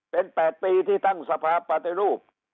เป็น๘ปีที่ตั้งสภาพปฏิรูป